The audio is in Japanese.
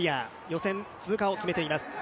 予選通過を決めています。